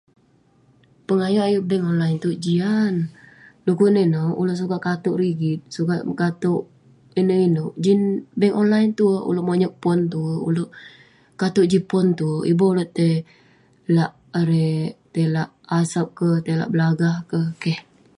Pengayak ayuk bank olain iteuk jian...Dukuk neh ineuk? Uleuk sukat kateuk rigit, sukat kateuk ineuk-ineuk jin bank olain tuek. Uleuk monyeq pon tuek, uleuk kateuk jin pon tuek, iboh uleuk tai lak erei, tai lak Asap ke, tai lak Belagah ke, keh.